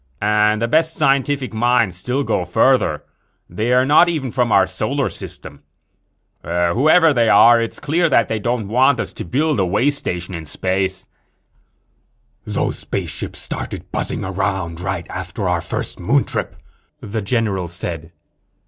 And the best scientific minds go still further they're not even from our solar system. Whoever they are, it's clear that they don't want us to build a way station in space." "Those spaceships started buzzing around right after our first Moon trip," the general said.